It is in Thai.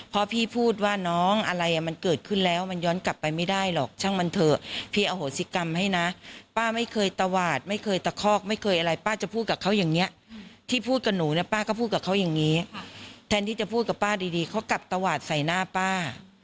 พอพี่พูดว่าน้องอะไรอ่ะมันเกิดขึ้นแล้วมันย้อนกลับไปไม่ได้หรอกช่างมันเถอะพี่อโหสิกรรมให้นะป้าไม่เคยตวาดไม่เคยตะคอกไม่เคยอะไรป้าจะพูดกับเขาอย่างนี้ที่พูดกับหนูเนี่ยป้าก็พูดกับเขาอย่างนี้แทนที่จะพูดกับป้าดีเขากลับตวาดใส่หน้าป้า